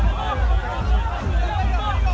มันอาจจะไม่เอาเห็น